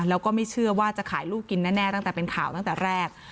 แล้วก็ไม่เชื่อว่าจะขายลูกกินแน่ตั้งแต่เป็นข่าวตั้งแต่แรก